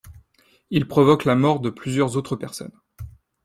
Il provoque la mort de plusieurs autres personnes.